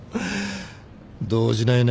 動じないね。